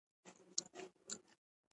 یو کس ودرېد او ویې ویل.